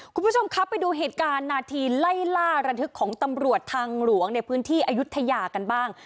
คุณผู้ชมครับไปดูเหตุการณ์นาทีไล่ล่าระทึกของตำรวจทางหลวงในพื้นที่อายุทยากันบ้าง